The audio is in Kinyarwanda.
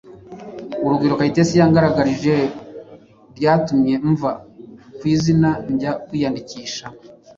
Urugwiro Kayitesi yangaragarije rwatumye mva ku izima njya kwiyandikisha